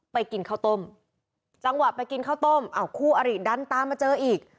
กินข้าวต้มจังหวะไปกินข้าวต้มอ้าวคู่อริดันตามมาเจออีก